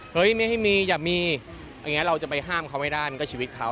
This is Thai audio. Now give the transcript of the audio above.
เฮ้ยไม่ให้มีอย่ามีอย่างนี้เราจะไปห้ามเขาไม่ได้มันก็ชีวิตเขา